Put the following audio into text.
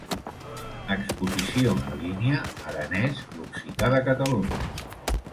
Exposició en línia "Aranès, l'occità de Catalunya"